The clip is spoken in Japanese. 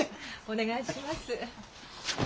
お願いします。